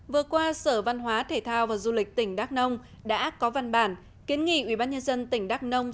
vừa qua sở văn hóa thể thao và du lịch tỉnh đắk nông đã có văn bản kiến nghị ubnd tỉnh đắk nông